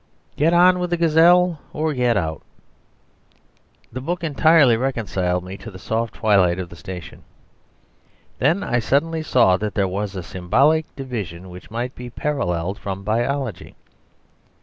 Get on with a gazelle or get out. The book entirely reconciled me to the soft twilight of the station. Then I suddenly saw that there was a symbolic division which might be paralleled from biology.